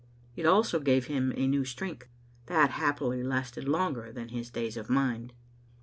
It also gave him a new strength, that happily lasted longer than his daze of mind.